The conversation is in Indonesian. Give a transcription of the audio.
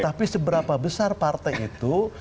tapi seberapa besar partai itu